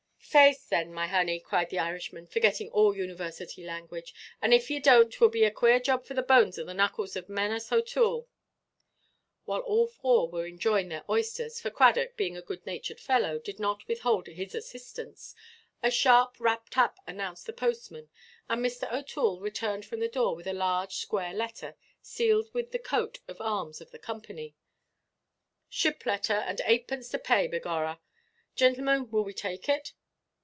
"Faix, then, my honey," cried the Irishman, forgetting all university language, "and, if ye donʼt, 'twill be a quare job for the bones on the knuckles of Manus OʼToole." While all four were enjoying their oysters—for Cradock, being a good–natured fellow, did not withhold his assistance—a sharp rap–rap announced the postman, and Mr. OʼToole returned from the door with a large square letter, sealed with the coat of arms of the company. "Ship–letther, and eightpence to pay, begorra. Gintlemen, will we take it?"